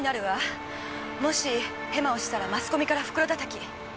もしヘマをしたらマスコミから袋だたき。